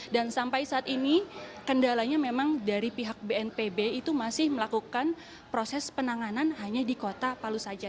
dan sampai saat ini kendalanya memang dari pihak bnpb itu masih melakukan proses penanganan hanya di kota palu saja